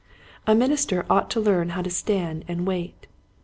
A minister ought to learn how to stand and wait.